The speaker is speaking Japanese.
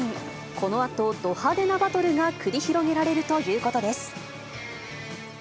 このあと、ど派手なバトルが繰り広げられるということです。